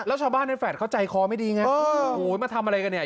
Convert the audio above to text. แล้วชาวบ้านในแฟลตเขาใจคอไม่ดีไงโอ้โหมาทำอะไรกันเนี่ย